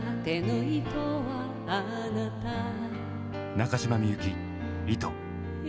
中島みゆき「糸」。